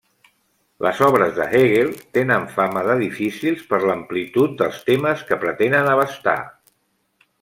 Les obres de Hegel tenen fama de difícils per l'amplitud dels temes que pretenen abastar.